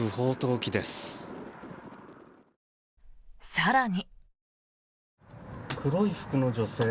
更に。